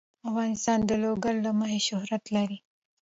افغانستان د لوگر له امله شهرت لري.